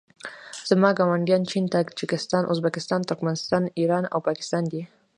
زما ګاونډیان چین تاجکستان ازبکستان ترکنستان ایران او پاکستان دي